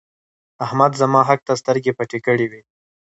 احمد زما حق ته سترګې پټې کړې وې.